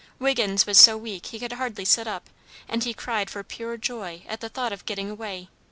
Wiggins was so weak he could hardly sit up, and he cried for pure joy, at the thought of getting away.